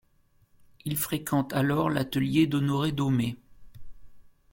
Il fréquente alors l'atelier d'Honoré Daumet.